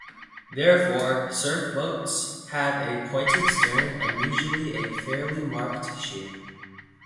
Therefore, surf boats have a pointed stern and usually a fairly marked sheer.